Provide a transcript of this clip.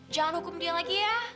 jangan hukum dia lagi ya